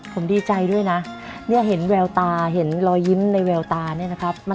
ผมดีใจด้วยนะเนี่ยเห็นแววตาเห็นรอยยิ้มในแววตาเนี่ยนะครับ